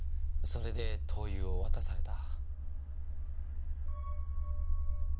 それで灯油を渡された。